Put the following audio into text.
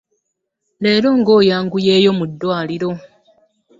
Leero nga oyanguyeeyo mu ddwaliro.